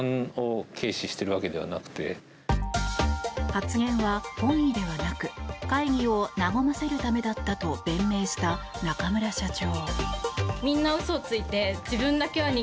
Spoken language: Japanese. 発言は本意ではなく会議を和ませるためだったと弁明した中村社長。